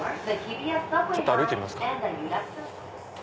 ちょっと歩いてみますか。